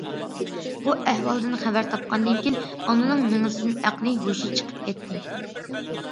بۇ ئەھۋالدىن خەۋەر تاپقاندىن كېيىن، ئانىنىڭ مېڭىسىدىن ئەقلى- ھوشى چىقىپ كەتتى.